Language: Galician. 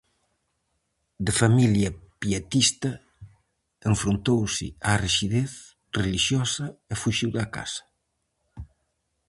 De familia pietista, enfrontouse á rixidez relixiosa e fuxiu da casa.